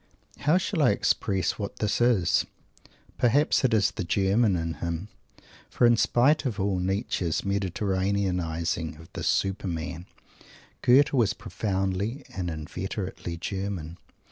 How shall I express what this is? Perhaps it is the German in him. For, in spite of all Nietzsche's Mediterraneanizing of this Superman, Goethe was profoundly and inveterately German.